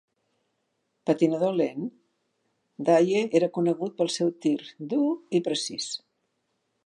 Patinador lent, Dye era conegut pel seu tir dur i precís.